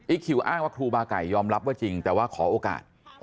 คิวอ้างว่าครูบาไก่ยอมรับว่าจริงแต่ว่าขอโอกาส